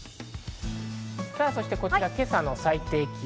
こちら今朝の最低気温。